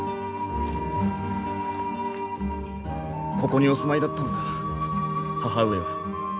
ここにお住まいだったのか母上は。